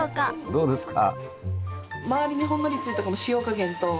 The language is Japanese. どうですか？